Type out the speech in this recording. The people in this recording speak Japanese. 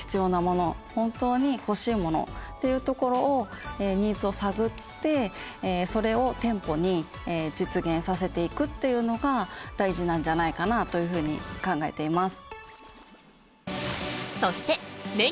本当にほしいものっていうところをニーズを探ってそれを店舗に実現させていくというのが大事なんじゃないかなというふうに考えています。